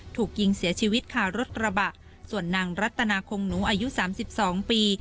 ถูกยิงเสียชีวิตค่ะรถกระบะส่วนนางรัตนาคงหนูอายุสามสิบสองปี